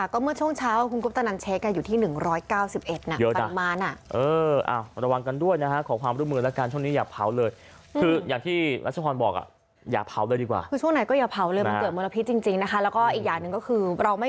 ก็เมื่อช่วงเช้าคุณกุปตนันเช็คอยู่ที่๑๙๑นะ